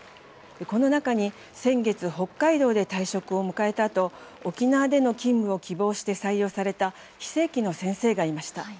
この中に先月、北海道で退職を迎えたあと沖縄での勤務を希望して採用された非正規の先生がいました。